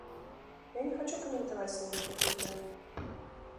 Я не хачу каментаваць ніяк гэтую тэму.